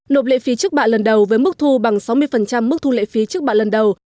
nộp lệ phí trước bạ lần đầu với mức thu bằng sáu mươi mức thu lệ phí trước bạ lần đầu